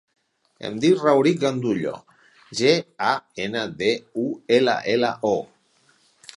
Em dic Rauric Gandullo: ge, a, ena, de, u, ela, ela, o.